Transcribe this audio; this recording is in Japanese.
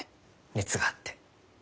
熱があって。